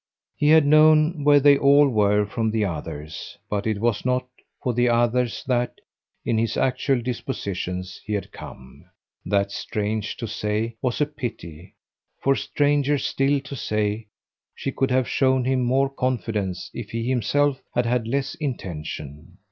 He had known where they all were from the others, but it was not for the others that, in his actual dispositions, he had come. That, strange to say, was a pity; for, stranger still to say, she could have shown him more confidence if he himself had had less intention.